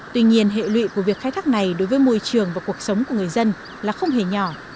tuy nhiên hệ lụy của việc khai thác này đối với môi trường và cuộc sống của người dân là không hề nhỏ